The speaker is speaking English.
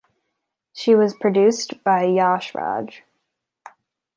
She was produced by Yash Raj.